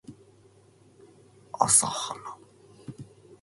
カルト教祖かつ死刑囚だった。